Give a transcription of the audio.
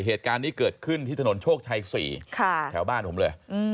เหตุการณ์นี้เกิดขึ้นที่ถนนโชคชัย๔แถวบ้านผมเลย